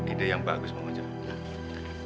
ide yang bagus mau ngajar